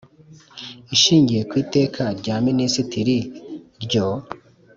Ishingiye ku Iteka rya Minisitiri n ryo